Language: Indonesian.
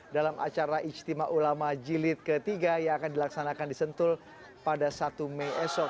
dalam acara istimewa ulama jilid ketiga yang akan dilaksanakan di sentul pada satu mei esok